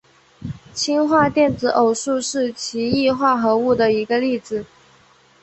氢化电子偶素是奇异化合物的一个例子。